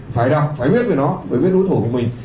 phải đọc phải viết về nó phải viết đối thủ của mình